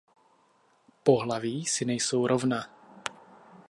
Pohlaví si nejsou rovna.